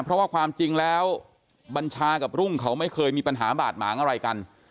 เพราะว่าความจริงแล้วบัญชากับรุ่งเขาไม่เคยมีปัญหาบาดหมางอะไรกัน